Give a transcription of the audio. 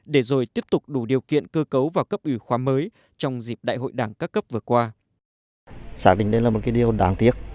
để rồi tiếp tục đủ điều kiện cơ cấu vào cấp ủy khoa mới trong dịp đại hội đảng các cấp vừa qua